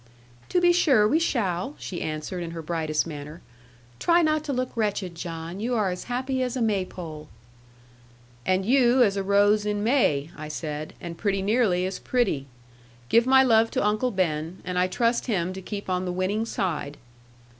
'To be sure we shall,' she answered in her brightest manner. 'Try not to look wretched, John: you are as happy as a Maypole.' 'And you as a rose in May,' I said; 'and pretty nearly as pretty. Give my love to Uncle Ben; and I trust him to keep on the winning side.'